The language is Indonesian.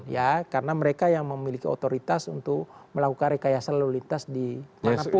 ya karena mereka yang memiliki otoritas untuk melakukan rekayasa lalu lintas di manapun